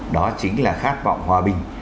đó chính là khát vọng hòa bình